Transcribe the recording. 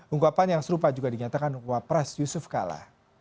ungkapan yang serupa juga dinyatakan wapres yusuf kala